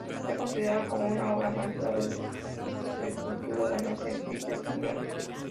Está considerada como una obra maestra del escultura renacentista española.